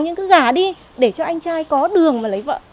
nhưng cứ gả đi để cho anh trai có đường mà lấy vợ